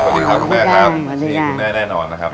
สวัสดีทีคุณแม่แน่นอนนะครับ